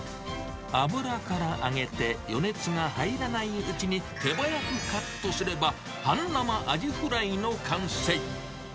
油から上げて余熱が入らないうちに、手早くカットすれば、半生アジフライの完成。